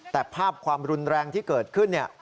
แต่ภาพความรุนแรงที่เกิดขึ้น